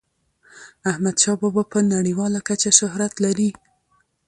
احمد شاه بابا په نړیواله کچه شهرت لري.